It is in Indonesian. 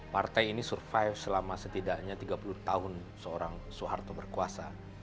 partai ini survive selama setidaknya tiga puluh tahun seorang soeharto berkuasa